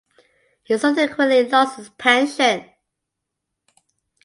He subsequently lost his pension.